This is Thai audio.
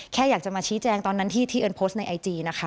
แค่อยากจะมาชี้แจงตอนนั้นที่เอิญโพสต์ในไอจีนะคะ